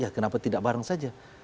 kenapa tidak bareng saja